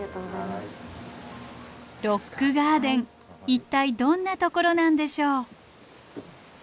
ロックガーデン一体どんなところなんでしょう。